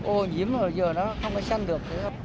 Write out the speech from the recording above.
ô nhiễm rồi vừa đó không có sinh được